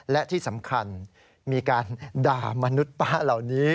และที่สำคัญมีการด่ามนุษย์ป้าเหล่านี้